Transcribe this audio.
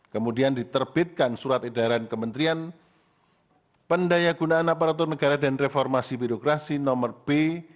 kemudian diterbitkan surat edaran kementerian pendaya gunaan aparatur negara dan reformasi birokrasi nomor b